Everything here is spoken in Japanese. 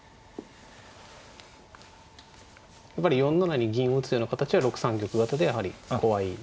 やっぱり４七に銀打つような形は６三玉型でやはり怖い。